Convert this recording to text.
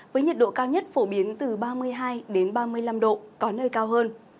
với nhiệt độ cao nhất phổ biến từ ba mươi hai ba mươi năm độ có nơi cao hơn